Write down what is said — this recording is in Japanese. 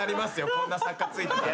こんな作家付いてたら。